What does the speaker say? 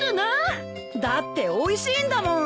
だっておいしいんだもん。